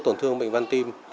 tổn thương bệnh văn tim